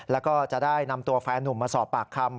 แล้วก็จะได้นำตัวแฟนนุ่มมาสอบปากคำ